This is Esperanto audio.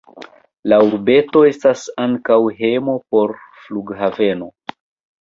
La urbeto estas ankaŭ hejmo por flughaveno.